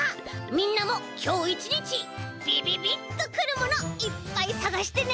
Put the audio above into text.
みんなもきょう１にちびびびっとくるものいっぱいさがしてね！